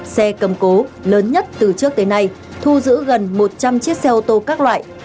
xe cầm cố lớn nhất từ trước tới nay thu giữ gần một trăm linh chiếc xe ô tô các loại